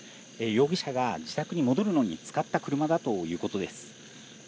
容疑者が自宅に戻るのに使った車だということです。